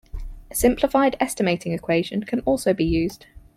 A simplified estimating equation also can be used.